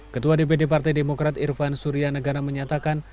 ketua dpd partai demokrat irfan surya negara menyatakan